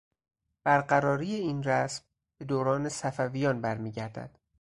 برقراری این رسم به دوران صفویان برمیگردد.